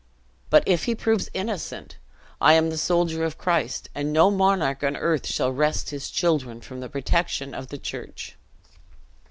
But if he proves innocent, I am the soldier of Christ, and no monarch on earth shall wrest his children from the protection of the church."